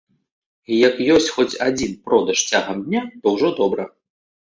І як ёсць хоць адзін продаж цягам дня, то ўжо добра.